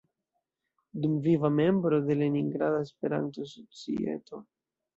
Dumviva membro de Leningrada Espertanto-Societo.